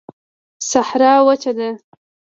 صحرا وچه ده